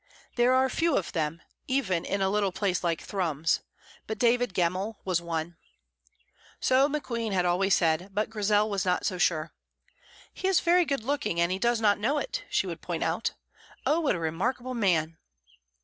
There are few of them, even in a little place like Thrums; but David Gemmell was one. So McQueen had always said, but Grizel was not so sure. "He is very good looking, and he does not know it," she would point out. "Oh, what a remarkable man!"